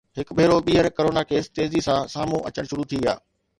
هڪ ڀيرو ٻيهر ڪرونا ڪيس تيزي سان سامهون اچڻ شروع ٿي ويا